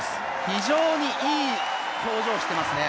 非常にいい表情をしていますね。